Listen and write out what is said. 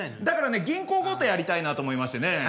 だからね銀行強盗やりたいなと思いましてね。